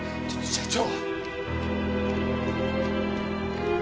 社長。